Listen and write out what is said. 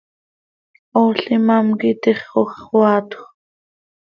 Ool imám quih itixoj x, xöaatjö.